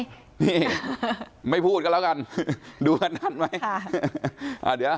นี่ไม่พูดกันแล้วกันดูอันนั้นไว้ค่ะ